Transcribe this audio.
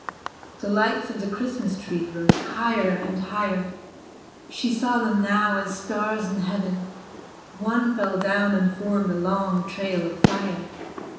The lights of the Christmas tree rose higher and higher, she saw them now as stars in heaven; one fell down and formed a long trail of fire.